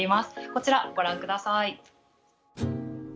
こちらご覧ください。